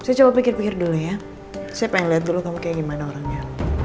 saya coba pikir pikir dulu ya saya pengen lihat dulu kamu kayak gimana orangnya